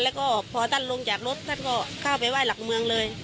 แล้วก็พอท่านลงจากรถท่านก็เข้าไปไห้หลักเมืองเลย